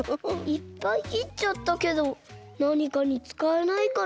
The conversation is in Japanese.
いっぱいきっちゃったけどなにかにつかえないかな？